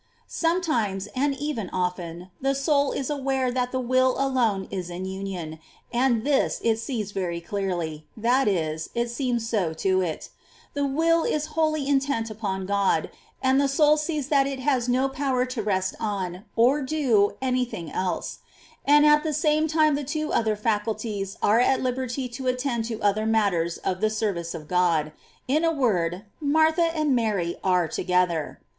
6. Sometimes, and even often, the soul is aware Si^oniy*^^ that the will alone is in union ; and this it sees very clearly, — that is, it seems so to it. The will is ' Inner Fortress, iv. ch. iii. REL. VIII.] OF HER SPIRITUAL STATE. 423 wholly intent upon God, and the soul sees that it has no power to rest on, or do,^any thing else ; and at the same time the two other faculties are at liberty to attend to other matters of the service of God, — in a word, Martha and Mary are together.